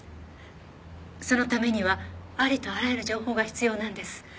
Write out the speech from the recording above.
そのためにはありとあらゆる情報が必要なんです。